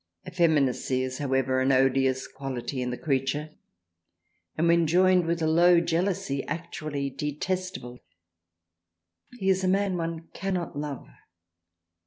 Effeminacy is THRALIANA 13 however an odious quality in the Creature, and when joined with low jealousy actually detestable, he is a man one cannot love."